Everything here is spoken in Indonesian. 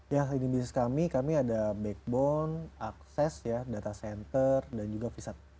ya lini bisnis kami kami ada backbone akses ya data center dan juga visa